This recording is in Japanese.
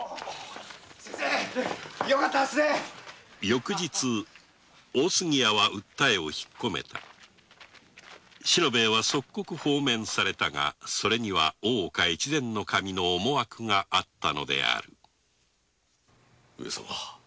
翌日大杉屋は訴えを取り下げ四郎兵衛は即刻放免されたそれには大岡越前守の思惑があったのである上様。